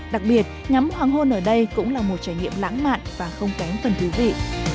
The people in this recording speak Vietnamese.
đặc biệt ngắm hoàng hôn ở đây cũng là một trải nghiệm lãng mạn và không kém phần thú vị